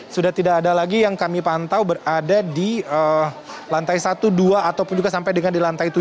sudah tidak ada lagi yang kami pantau berada di lantai satu dua ataupun juga sampai dengan di lantai tujuh